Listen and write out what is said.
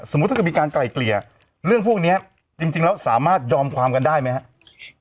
ถ้าเกิดมีการไกล่เกลี่ยเรื่องพวกนี้จริงแล้วสามารถยอมความกันได้ไหมครับ